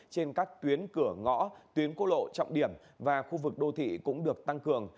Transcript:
trên các tuyến cửa ngõ tuyến quốc lộ trọng điểm và khu vực đô thị cũng được tăng cường